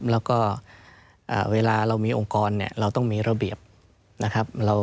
แล้วก็เวลาเรามีองค์กรเราต้องมีระเบียบนะครับ